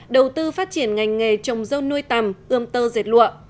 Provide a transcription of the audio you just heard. đầu tư phát triển ngành nghề trồng dâu nuôi tầm ươm tơ dệt lụa